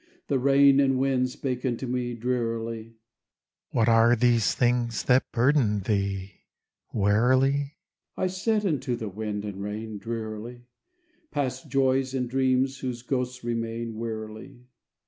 The rain and wind spake unto me, Drearily: "What are these things that burden thee, Wearily?" I said unto the wind and rain, Drearily: "Past joys, and dreams whose ghosts remain, Wearily."